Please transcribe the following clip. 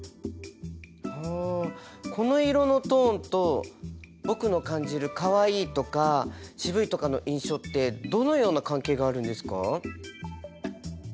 この色のトーンと僕の感じるかわいいとかしぶいとかの印象ってどのような関係があるんですか？